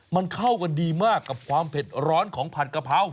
มันเข้ากันดีมากกับความเผ็ดร้อนของผัดกะเพรา